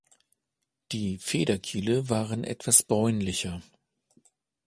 Die Federkiele waren etwas bräunlicher.